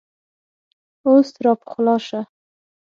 اوس لا پخلا شه !